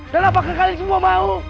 dan apakah kalian semua mau